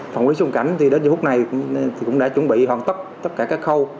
phòng quỹ xuân cảnh đến giờ hút này cũng đã chuẩn bị hoàn tất tất cả các khâu